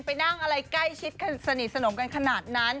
ไปนั่งอะไรใกล้ชิดสนิทสนมกันขนาดนั้น